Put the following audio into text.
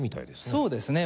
そうですね。